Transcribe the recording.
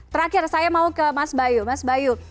terakhir saya mau ke mas bayu